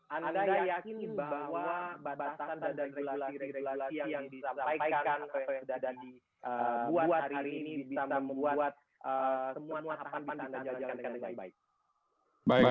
anda yakin bahwa batasan dan regulasi regulasi yang disampaikan atau yang sudah dibuat hari ini